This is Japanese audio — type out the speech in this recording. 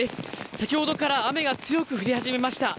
先ほどから雨が強く降り始めました。